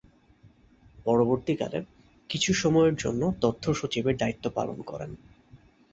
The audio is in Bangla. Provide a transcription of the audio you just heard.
পরবর্তীকালে কিছু সময়ের জন্য তথ্য সচিবের দায়িত্ব পালন করেন।